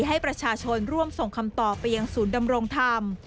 ให้ประชาชนร่วมส่งคำต่อไปยังศูนย์ดำรงธรรม